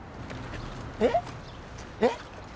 えっ？えっ！